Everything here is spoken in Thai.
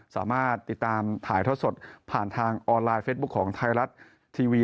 สามารถติดตามถ่ายทอดสดผ่านทางออนไลน์เฟสบุ๊คของไทยรัฐทีวี